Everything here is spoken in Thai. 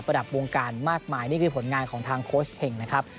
ระดับวงการมากมายนี่คือผลงานของทางโค้ชเห็งนะครับ